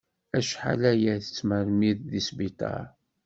Acḥal aya i tettmermid di sbiṭar.